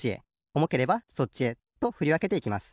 おもければそっちへとふりわけていきます。